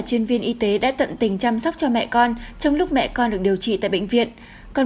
chuyên viên y tế đã tận tình chăm sóc cho mẹ con trong lúc mẹ con được điều trị tại bệnh viện còn